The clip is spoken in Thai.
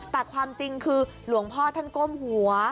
แต่ความจริงคือหลวงพ่อท่านก้มหัว